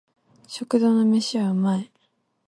食堂の飯は美味い